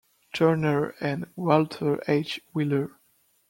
Turner and Walter H. Wheeler.